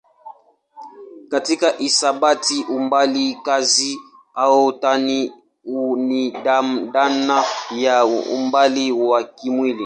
Katika hisabati umbali kazi au tani ni dhana ya umbali wa kimwili.